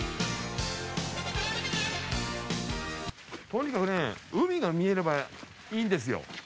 とにかくね海が見えればいいんですよ。